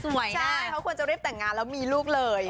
เขาควรจะรีบแต่งงานแล้วมีลูกเลย